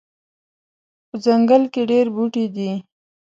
په ځنګل کې ډیر بوټي دي